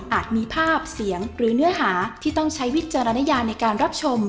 มีภาพเสียงหรือเนื้อหาที่ต้องใช้วิจารณญาในการรับชม